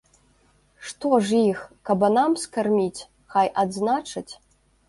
Што ж іх, кабанам скарміць, хай адзначаць?